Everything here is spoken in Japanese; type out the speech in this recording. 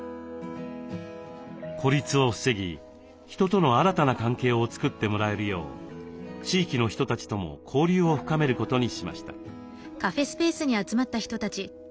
孤立を防ぎ人との新たな関係を作ってもらえるよう地域の人たちとも交流を深めることにしました。